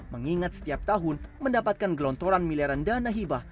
mengingat setiap tahun mendapatkan gelontoran miliaran dana hibah